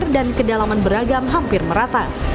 dan kedalaman beragam hampir merata